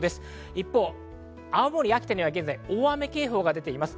一方、青森、秋田には現在、大雨警報が出ています。